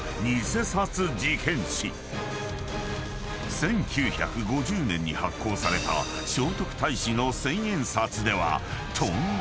［１９５０年に発行された聖徳太子の千円札では］